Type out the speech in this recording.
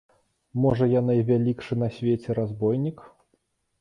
Можа, я найвялікшы на свеце разбойнік?